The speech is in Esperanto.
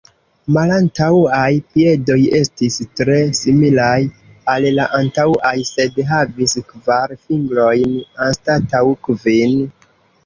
Malantaŭaj piedoj estis tre similaj al la antaŭaj, sed havis kvar fingrojn anstataŭ kvin.